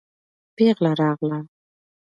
پېغله راغله.